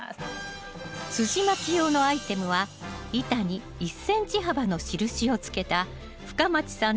すじまき用のアイテムは板に１ｃｍ幅の印をつけた深町さん